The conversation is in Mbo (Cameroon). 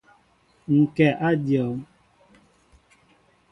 Ŋ kɛ a dion.